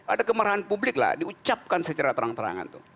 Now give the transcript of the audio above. ada kemarahan publik di ucapkan secara terang terangan